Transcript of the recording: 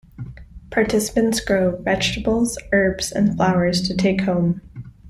Participants grow vegetables, herbs, and flowers to take home.